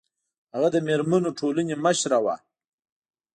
هغه د میرمنو ټولنې مشره وه